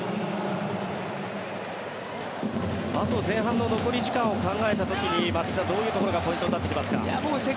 あと前半の残り時間を考えた時に松木さん、どういうところがポイントになってきますか？